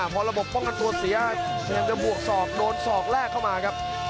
เพราะระบบป้องกันตัวเสียยังจะบวกสอบโดนสอบแรกเข้ามาครับ